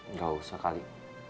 nggak usah kali